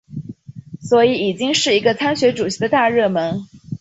所以已经是一个参选主席的大热门。